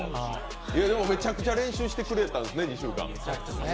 でも、めちゃくちゃ練習してくれたんですね、２週間。